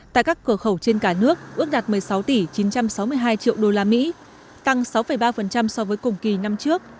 tại các cửa khẩu trên cả nước ước đạt một mươi sáu tỷ chín trăm sáu mươi hai triệu usd tăng sáu ba so với cùng kỳ năm trước